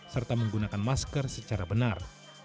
serta menggunakan masker secara benar